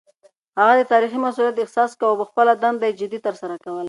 هغه د تاريخي مسووليت احساس کاوه او خپله دنده يې جدي ترسره کوله.